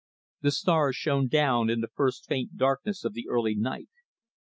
The stars shone down in the first faint darkness of the early night.